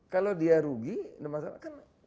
kalau dia rugi masa apa